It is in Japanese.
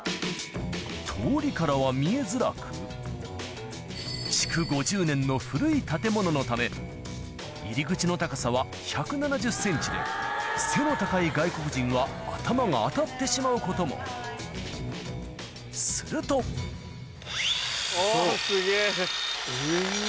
通りからは見えづらく築５０年の古い建物のため入り口の高さは１７０ｃｍで背の高い外国人は頭が当たってしまうこともするとおぉすげぇ。